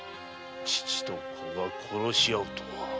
父と子が殺し合うとは。